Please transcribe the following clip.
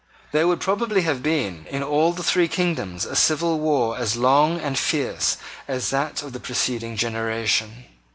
There would probably have been in all the three kingdoms a civil war as long and fierce as that of the preceding generation.